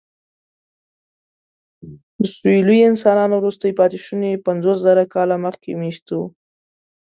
د سولويي انسانانو وروستي پاتېشوني پنځوسزره کاله مخکې مېشته وو.